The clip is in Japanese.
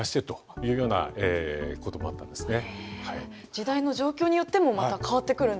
時代の状況によってもまた変わってくるんですね。